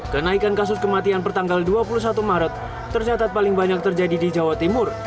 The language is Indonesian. kenaikan kasus kematian pertanggal dua puluh satu maret tercatat paling banyak terjadi di jawa timur